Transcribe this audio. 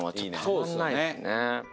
そうですよね